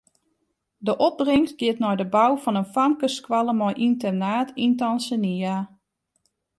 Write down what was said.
De opbringst giet nei de bou fan in famkesskoalle mei ynternaat yn Tanzania.